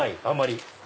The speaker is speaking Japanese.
あまり。